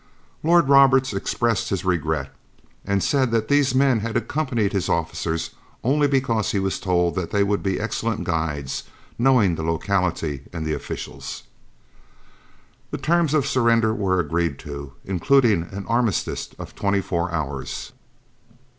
Lord Roberts expressed his regret, and said that these men had accompanied his officer only because he was told that they would be excellent guides, knowing the locality and the officials. The terms of surrender were agreed to, including an armistice of twenty four hours.